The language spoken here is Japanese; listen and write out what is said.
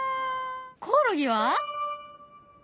コオロギは？